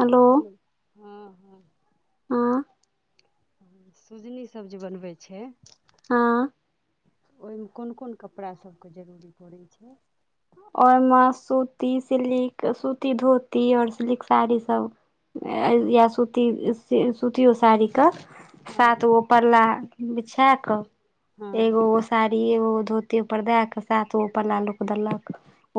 hello ख हँ हँ हँ ह सुजनी सब जे बनबै छै हँ ओहिमे कोन कोन कपड़ासभके जरूरी पड़ै छै रमे सूती सिलक सूती धोती आऔर सिल्क साड़ी सब या सुती सुतियौ साड़ी क सात हँ गो पला बिछा क हँ एगो साडी आर एगो धोतीपर दए क सातगो पल्ला लोक देलक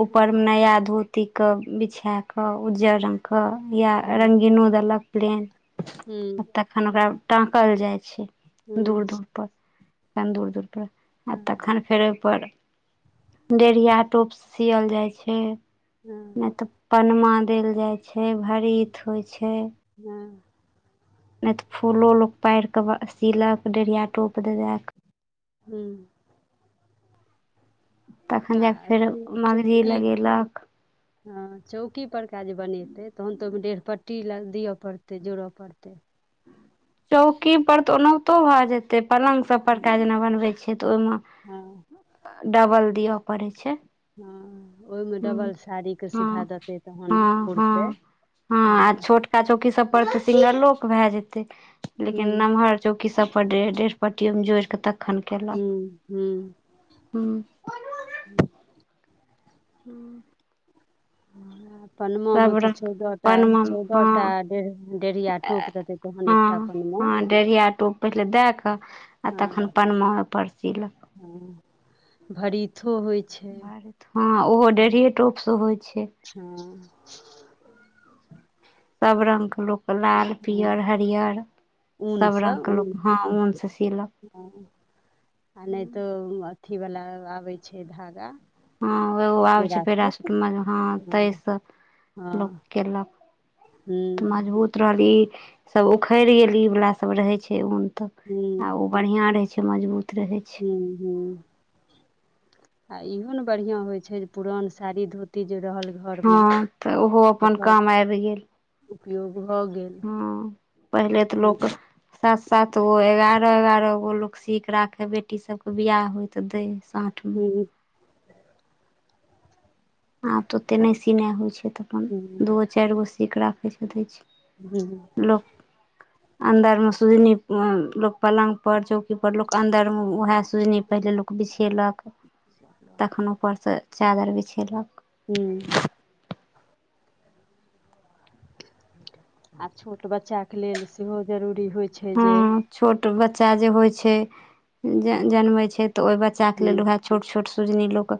उपरमे हँ नया धोतीके बिछा कऽ उज्जर रंग क या हँ हूँ रङगीनो देलक प्लेन तखन ओकरा टाकल जाइ छै दूर हूँ दूर पर एखन दूर दूरपर आ हँ तखन फेर ओहिपर डेढ़िया टोप सियअल जाइ छै हँ नहि तऽ पनमा देल जाइ छै भरीत होइ छै हँ नहि तऽ फूलो लोक पारि कऽ सिलक डेरिया टोप देलक हू तखन जाकऽ हँ फेर ठ छै मगजी [unintelligible] लगेलक हँ चौकी परका जे बनेतै तहन तऽ ओहिमे डेढ़ पट्टी दिअ पड़तै जोड़य पड़तै चौकी पर तऽ ओनाहितो भए जेते पलङ्ंग सब परका जेना बनबे छै तऽ हँ ओहिमे डबल दिअ पड़े छै हँ ओहिमे हँ डबल साड़ीके हँ सीधा देतै तहन हँ फुरतै हँ क्का चौकी सब पर ते सिंगरो के भए जेते हूँ लेकिन नमहर चौकी सब पर डेरह डेरह पट्टो मे जोड़िक तक एखन केलक हूँ हँ हू [inaudible] ह पनमा मे सब तऽ रंग चौदह टा पानिमे चौदह टा हँ डेढ़िया टोप देते तहन एकटा हँ पनमा हँ डेढ़िया टोप पहिले दय कऽ आ तखन हँ परनमा ओहि पर सीलक भरीथो होइ छै भार हँ ओहो डेढ़ए टोप से होइ छै हँ सब रंग के लोक लाल हँ पियर हरियर सभ ऊनसँ रङ्गके ऊन लोक हँ ऊन सँ सिलक हँ आ नहि तऽ अथिवला आबै छै धागा हँ एगो आबै छै पेड़ासूत पेराासूट मे हँ ताइसँ लोक हँ केलक हूँ रहली सब उखड़ गेली इ वला सब रहे छै ऊन त हूँ आ ओ बढ़िआँ रहै छै मजबूत रहै छै हू हूँ आ इहो ने बढ़िया होय छै जे पुरान साड़ी धोती जे रहल घरमे हँ तऽ ओहो अपन ओकर काम आबि गेल उपयोग भऽ गेल ह पहिले तऽ हूँ लोक सात सात गो एगारह एगारह गो लोक सीख राखे बेटी सबके बिियाह होय तऽ देै साँझ हू आब तऽ ओतेक नहि सीनाइ होइ छै तऽ अपन हूँ दू गो चारि गो सी कऽ राखै छै दै छै हूंम्म लोक अन्दरमे सुूजनी लोक पलङ्गपर चौकीपर लोक अन्दरमे उएह सुजनी पहिले लोक बिछेलक जाद [inaudible] तखन ऊपरसँ चादरि बिछेलक हूंम्म आ छोट बच्चाके लेल सेहो जरूरी होइत छै जे हँ छोट बच्चा जे होय छै जनमय छै ते ओहि बच्चा के लेल हूँ वैहे छोट छोट सुजनी लोक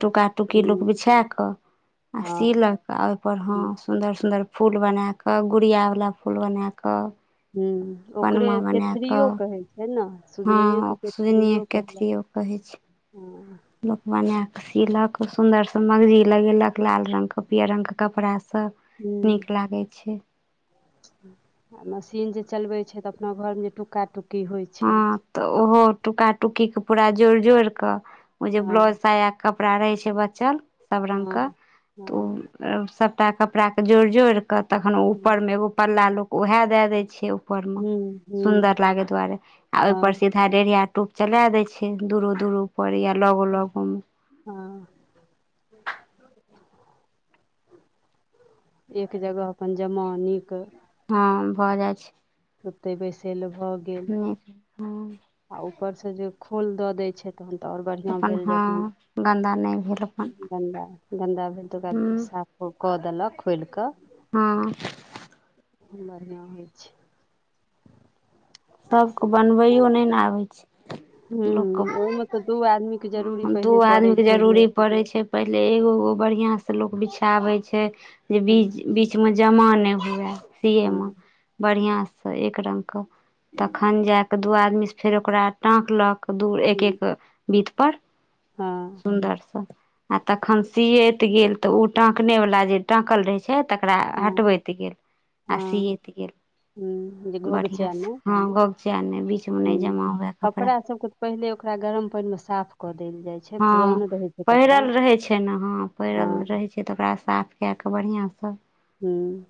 टुका टुकी लोक हूँ बिछाए कऽ आ हँ सीलक आ ओहिपर हँ हूँ सुन्दर सुन्दर फूल बनाकऽ गुड़आवला फूल बनाकऽ हूँ ओकरे केचड़ियओ कहै छै ने हँ सुजनिएके सुजनिए केथड़िओ कहलक केथरिओ कहै छै हँ लोक बनाए कऽ सिलक सुन्दरसँ मगजी लगेलक लाल रंग के पियर रंग के कपड़ा सँ हूंम्म आ मशीन जे चलबै छै तऽ अपना घरमे जे टुक्का टुक्की होइ छै हँ तऽ ओहो टुका टुकी के पूरा जोड़ जोड़ के ओ जे हँ ब्लाउज साया कपड़ा रहै छै बचल सब हँ रङ्गके तऽ हँ ओ सब क्ता कपड़ाके जोड़ि जोड़िकऽ तखन हँ उपरमे एगो पल्ला लोक ओएह दए दै छै ऊपर मे हूँ हूँ सुन्दर लागे दुआरे आ ओहिपर हँ सीधा डेढ़िया टोप चला दै छै दूरो दूरो पर या लगो लगो मे हँ एक जगह अपन जमा नीक हँ भऽ जाइ छै सुते बैस ले भहो हूंम्म हँ आ ऊपर से जे खोल दऽ दय छै तहन तऽ आओर बढ़िआँ अपन भेल हँ जखन गन्दा नहि भेल अपन गन्दा गन्दा भेल तऽ हूँ ओकरा साफ कऽ देलक खोल कऽ हँ बढ़िआँ होइ छै सबके बनबैयो नहि ने आबै छै हुँ लोकके ओहिमे तऽ दू आदमीके जरूरी दू पहिले आदमी पड़ै के छै जे जरूरी पड़ै छै पहिले एगोगो बढ़िया से लोग बिछाबे छै जे हँ बीज कि मे जमा नहि हुए सिए मे हँ बढ़िया से एक रंग के तखन जा कऽ दू आदमीसँ फेर ओकरा टाँकलक दू एक हुँ एक बीतपर हँ सुन्दरसँ आ तखन सियैत गेल तऽ ओ टकनेवला जे टाकल रहै छै तकरा हँ हटबैत गेल आ हँ सियैत गेल हुँ जे बढ़ियाँ घोघचै सँ नहि हँ बगचे आर नहि बीचमे नहि जमा हुए कपड़ा सब के पहिल ओकरा गम पान मे साफ कऽ देल जाय छै हँ पुरान रहै छै कपड़ा पहिरल रहे छै ने हँ पहिरल हँ रहे छै से तऽ ओकरा साफ कए कऽ बढ़िआँसँ हँ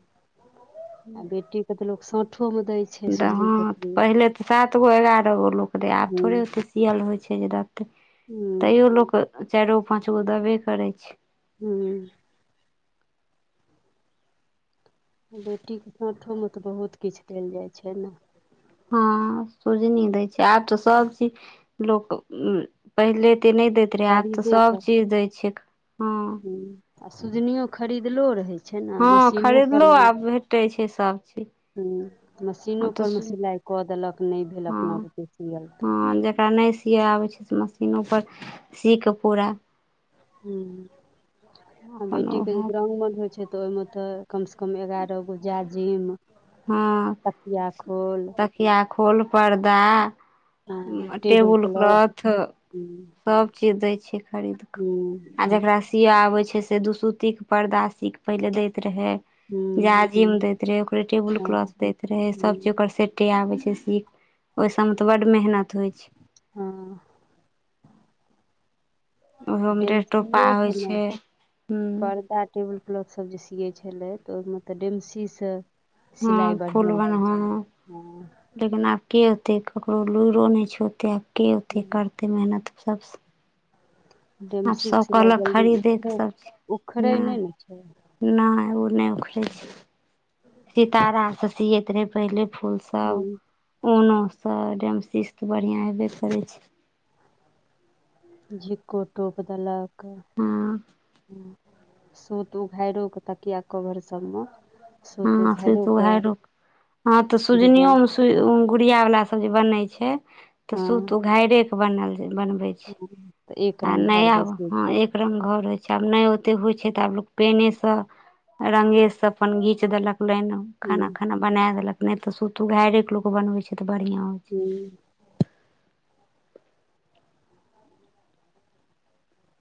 आ बेटी के तऽ लोग साठो मे दै छै द सुजनी हा केतली पहिले तऽ सात गो एगारह गो लोक रहै आब थोड़े हुँ ओते सिअल होइ छै जे द हुँ तैयो लोक चारि गो पाँच गो देबे करै छै हूँ बेटीके साथोमे तऽ बहुत किछु देल जाइ छै ने हँ सुजनी दै छै आब तऽ सब चीज लोक पहिले एते नहि दैत रहै आब तऽ खरीदे कऽ सभचीज दैत छै हँ आ सुजनियो खरीदलो रहै छै ने हँ मशीनो खरीदलो आब भेटै छै सब चीज हँ मशीनो आब पर मे तऽ सिलाइ कऽ देलक नहि भेल अपना बते सियअल तऽ जेकरा नहि सि सीया आबै छै से मशीनो पर सीक कऽ पूरा ह आ अपन बेटीके उएह जे दुिरागमन होइ छै तऽ ओहिमे तऽ कम सँ कम एगारह गो जाजिम तकिया खोल तकियाखोल पर्दा टेबुल क्लॉथ हूँ सब चीज दै छै खरीद क हूँ आ जेकरा सिया आबै छै से दु सुत्तीके पर्दा सीकऽ पहिले दैत रहै हँ जाजिम दैत रहे ओकरे टेबुल क्लॉथ हूँ दैत रहे सब चीज ओकरा सेटे आबे छै सी ओ सब मे ते बड मेहनत होय छै हँ ओहोमे डेढ़ टोपा डेमसीये से होइ ने छै हूँ पर्दा टेबल क्लॉथसभ जे सियै छलै तऽ ओहिमे तऽ डेमसी सँ हँ सिलाइ फूल बढ़िआँ होइ बनहो छलै हँ लेकिन आब के होते ककरो लुरो नहि छोड़ते आब के होते हूँ करते मेहनत सब सँ आब डेमसिक सभ सिलाइ कहलक जल्दी खरीदयकेऽ उखड़ै सभ चीज उखड़ै ने छै नहि नहि ओ नहि उखड़ै छै सितारा सँ सियैत रहै पहिले फूल सँ हूँ, तब ऊनो सँ रेमसिस्त बढ़िआँ हेबे करै छै क्षिकोटोप देलक हँ सुूत उघारिओ कऽ तकिया कवर सबमे सूत हां से उघाइरो त कऽ उधाइरो क हां तऽ सुजनियो डिजाइन मे सु गुड़िया वाला सब जे बने छै ते सूत उ घाररे के बनल बनवे छै ह तऽ एक आ रङ्ग घर नया बैसै हँ छै एक रंग घर होय छैय आब ने ओते होय छैय ते आब लोग पेने से रंगे से अपन गी घिच देलक लाइन हूँ खाना खाना बना देलक नहि तऽ सुूतू उधारे के लोकोग बनबे छैय तऽ बढ़ियां होइ छैय हूँ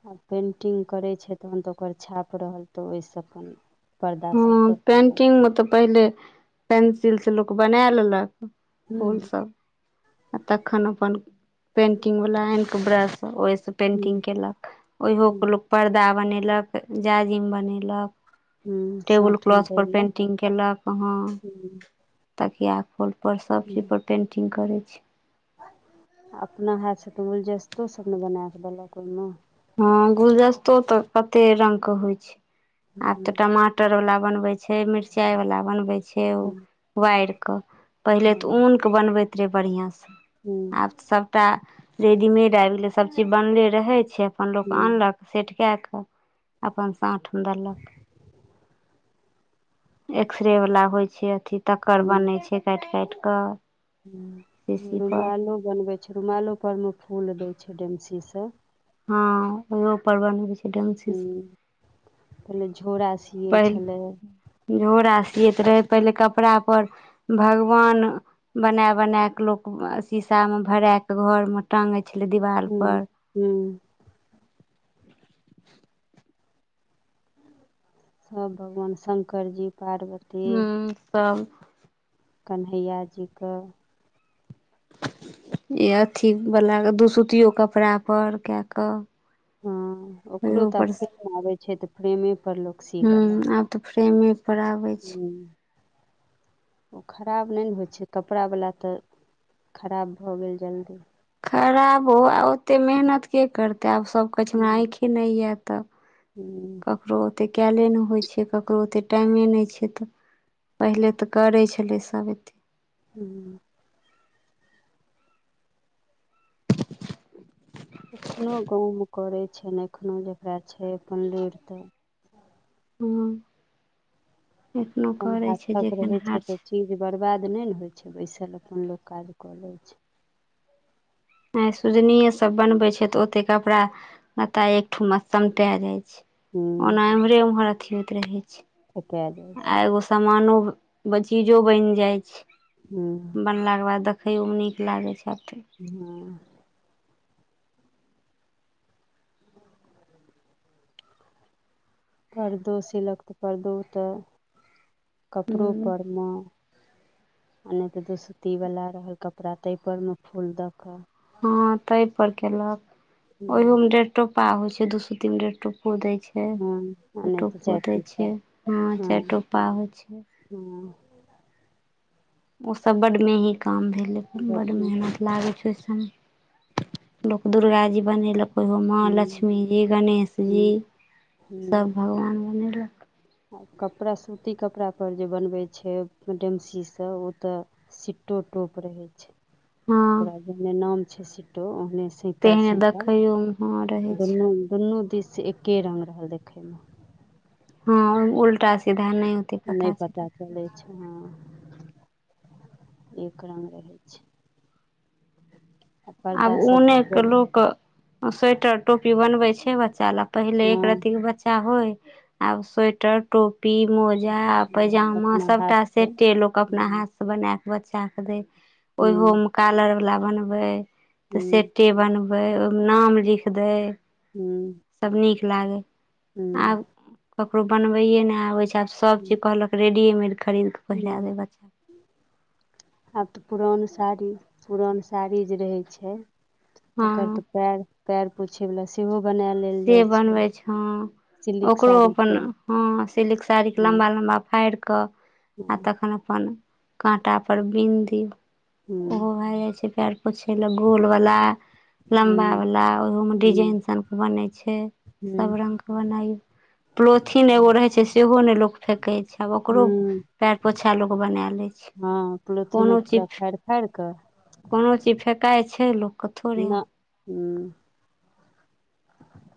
आ पेन्टिंग करै छैय तहन तऽ ओकर छाप रहल तऽ ओहि सँ अपन पर्दा हँ सब पर केलक पेंटिंग मे तऽ पहिले पेंसिल सँ लोक बनाए लेलक हूँ फूलसभ आ तखन अपन पेंटिंग वाला आनि कऽ ब्रश ओहिसँ पेंटिंग हूँ कयलक ओहियोके हूँ लोक पर्दा बनेलक जाजिम बनेलक हूँ टेबुल साँठमे क्लॉथ दै पर लए पेंटिंग केलक हँ हूँ तकिया खोल पर सब चीज हूँ पर पेंटिंग करै छी अपना हाथ छै तऽ गूलजस्तो सभ ने बना कऽ देलक ओहिमे हँ गूलदस्तो तऽ कते रंग के होइ छै आब तऽ हूँ टमाट टर वला बनव छै मिरचाई वाला बनवे छै छैय ओ हूँ वारि कऽ पहिले हँ तऽ ऊनके बनबैत रहै बढ़िआँ सँ हूँ आबऽ सभटा रेडीमेड आबि गेलै सभ चीज बनले रहै छैय अपन लोक हूँ आनलक सेट कए कऽ अपन साँठमे देलक एक्सरेवला होइ छै अथि तक्कर हूँ बनै छै काटि काटि कऽ शीशीपर रुमालो बनबे छै रुमालो पर मे फूल देय छै रेमसी स हँ ओहो पर बनबे छै डमशीस ह पहिले झोरा सी पहिल झोड़ा सियैत रहे पहिले कपड़ा पर भगवान बना बना क लोक शीशा में भरा के घर मऽ टाँगै छलै दीवालपर हूंम्म सब भगवान शङ्कर जी पार्वती हू सब कन्हैया जी कऽ ई अथीवला दूसूतियो कपड़ा पर कए कऽ हँ ओकरो ओहो तऽ पर आब फ्रेमे आबैछै तऽ फ्रेमे पर लोक हूंम्म आब तऽ फ्रेमे पर आब हूंम्म ओ खराब नहि ने होइ छैय कपड़ावला तऽ खराब भऽ गेल जल्दी खराब हो आ ओतेक मेहनत के करतै आब सभ कहै छै हमरा हूँ आँखे नहि यए तऽ हूँ ककरो ओतेक कयले नहि होइ छै ककरो ओतेक टाइमे नहि छै तऽ पहिले तऽ करै छलै सभ एतेक हूँ एखनो गाँवमे करै छैनि एखनोहु जकरा छै अपन लुरि तऽ हँ एखनो अपन करै छैय जे हाथक रहै छै केनहार तऽ छैय चीज बरबाद नहि ने होइ छैय बैसल अपन लोक काज कऽ लैय छै सुजनि सब बनबे छै तऽ ओते कपड़ा लत्ता एकठुमा समटा जाइ छै हूँ ओना एम्हरे उम्हर अथी होइत रहै छै ठका जाइ छै आ एगो सामानो चीजो बनि जाइ छै हँ बनलाके बाद देखैयोमे नीक लागै छै हँ [inaudible] परदो सिलक तऽ परर्दो तऽ कपड़ो हूँ परमे आ नहि तऽ दुसुत्तीवला रहल कपड़ा ताहिपर मे फूल दऽ कऽ हँ ताहि पर केलक ओयो हूँ मे डेट टोपा होय छै दू सो तीन बे टोपो देय छै हँ आ फ दु नहि तऽ टोपो चारि दै पीसा छै हँ चारि टोपा होइ छै [inaudible] हँ ओसभ बड्ड मेही काम भेलै बड्ड बढ़िआँ मेहनत लागै छै ओहि सभमे लोक दुर्गा जी बनेलक ओ माँ हूँ लक्ष्मीजी गणेश जी हूँ हूँ सब भगवान बनेलक कपड़ा सूती कपड़ापर जे बनबै छै डेमसीसँ ओ तऽ सिटो टोप रहे छै हँ पूरा जेने नाम छै सिटो ओहने से शीतल तेहने सतल देखैयोमे हँ रहै छै दुनू दुनू दिससँ एके रंग रहल देखैमे हँ उल्टा सीधा नहि नहि पता चलैत रहै चलै छै हँ एक रङ्ग रहै छै आओर आब पर्दा सब उनेके पर लोक स्वेटर टोपी बनबै छैय बच्चा ला पहिले एक रत्ती हँ बच्चा होय आब स्वेटर टोपी मोजा पैजामा अपना सबटा हाथसँ सेटे लोक अपना हँ हाथ बनाकऽ बच्चाके दैय हूँ ओहोमे कॉलरवला बनबै तऽ हूँ सेटे बनबै ओहिमे नाम लिख दै हूंम्म सब नीक लागै आब ककरो बनबैए नहि आबै छै आब सभ हूँ चीज कहलक रेडीमेड खरीदकेऽ हूँ आब तऽ पुरान साड़ी पुरान साड़ी जे रहै छै तकर हँ तऽ पएर पएर पोछयवला सेहो बनाए लेल से जाइ छै बनबै हँ सिल्क ओकरो अपन साड़ीके हँ सिल्क साड़ी के हँ लम्बा लम्बा फाड़ि कऽ आ हूँ तखन अपन काँटापर बिनि दियौ ओहो हूँ भए जाइ छै पएर पोछै ले गोल वाला लम्बा हूँ वाला ओहो में हूँ डिजाइन सन के बने छै छै सब हूँ रंग के बनाय प्लोथििन एगो रहे छै सेहो ने लोको फेेक छै आब ओकरो हूँ पयर पोछा लोक बनाय लैय हँ प्लोथििनोके पूरा फाड़ि फाड़ि कऽ कोनो चीज फेकाइ छै लोक नऽ हूँ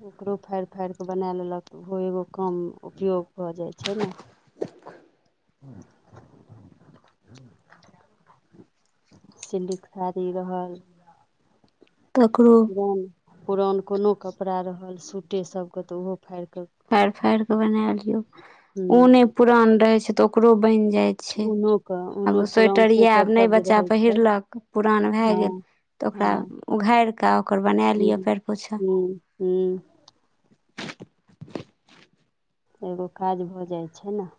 ओकरो फाड़ि फाड़ि कऽ बनाए लेलक ओहो एगो काम उपयोग भऽ जाइ छैय न [inaudible] सिलक साड़ी रहल ककरो पुरान पुरान कोनो कपड़ा रहल सूटे सबके तऽ ओहो फाड़ि कऽ फाड़ि फाड़ि के बना लियौ हूँ ऊने पुरान रहे छै तऽ ओकरो बनि जाय छै ऊनो के आब ऊनो पुरान स्वेटर यए आब नहि सब जे बच्चा रहै छै पहिरलक पुरान भए गेल हँ तऽ ओकरा हँ उघारि कऽ ओकर बना लिअ पएर पोछा हू एगो काज भऽ जाइ छै ने